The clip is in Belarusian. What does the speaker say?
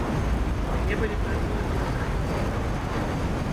У мяне былі пэўныя падазрэнні.